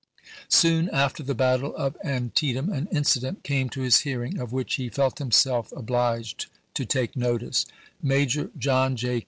Soon after the battle of Antietam an incident came to his hearing, of which he felt himself obliged to take notice. Major John J.